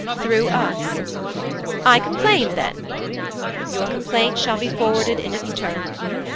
'Through us.' 'I complain then.' 'Your complaint shall be forwarded in its turn.'